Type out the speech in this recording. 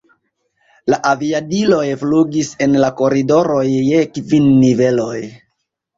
La aviadiloj flugis en la koridoroj je kvin niveloj.